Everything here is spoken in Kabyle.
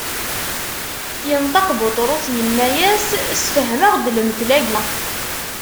Inṭeq Buṭrus, inna-as: Sefhem-aɣ-d lemtel-agi.